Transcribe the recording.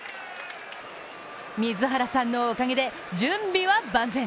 水原さんのおかげで準備は万全。